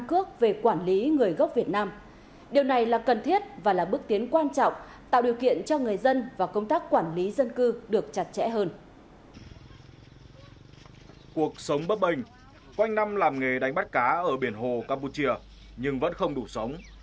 cuộc sống bấp bềnh quanh năm làm nghề đánh bắt cá ở biển hồ campuchia nhưng vẫn không đủ sống